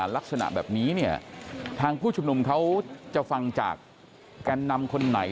ลักษณะแบบนี้เนี่ยทางผู้ชุมนุมเขาจะฟังจากแกนนำคนไหน